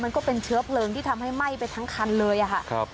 ก็เป็นเชื้อเพลิงที่ทำให้ไหม้ไปทั้งคันเลยค่ะ